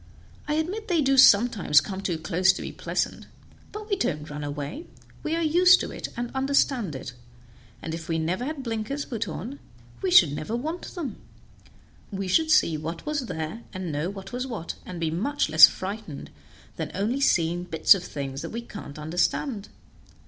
I admit they do sometimes come too close to be pleasant, but we don't run away; we are used to it, and understand it, and if we never had blinkers put on we should never want them; we should see what was there, and know what was what, and be much less frightened than by only seeing bits of things that we can't understand.